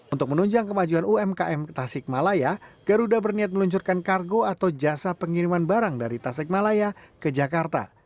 untuk menunjang kemajuan umkm ke tasikmalaya garuda berniat meluncurkan kargo atau jasa pengiriman barang dari tasikmalaya ke jakarta